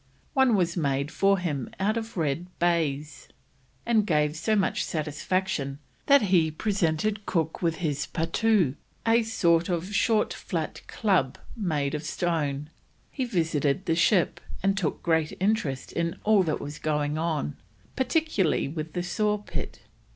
One was made for him out of red baize, and gave so much satisfaction that he presented Cook with his pattou, a sort of short flat club made of stone. He visited the ship, and took great interest in all that was going on, particularly with the saw pit.